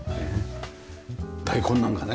大根なんかね。